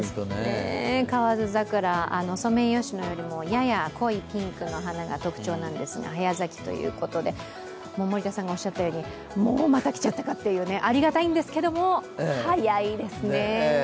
河津桜、ソメイヨシノよりもやや濃いピンクの花が特徴なんですが、早咲きということで、もうまた来ちゃったかってありがたいんですけども早いですね。